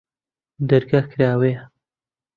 دەرگا کراوەیە؟